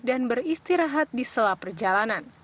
dan beristirahat di setelah perjalanan